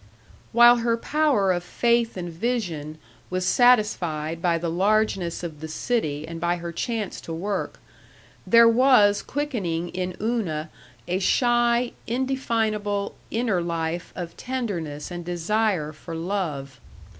§ 2 While her power of faith and vision was satisfied by the largeness of the city and by her chance to work, there was quickening in Una a shy, indefinable, inner life of tenderness and desire for love.